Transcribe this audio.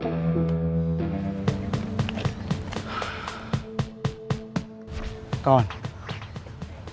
kita tau harus peduli sekali sama rifki